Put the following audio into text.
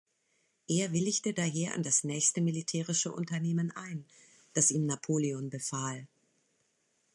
Er willigte daher in das nächste militärischen Unternehmen ein, das ihm Napoleon befahl.